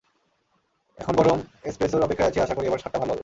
এখন গরম এসপ্রেসোর অপেক্ষায় আছি, আশা করি এবার স্বাদটা ভালো হবে।